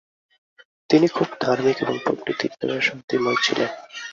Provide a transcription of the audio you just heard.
তিনি খুব ধার্মিক এবং প্রকৃতির দ্বারা শান্তিময় ছিলেন ।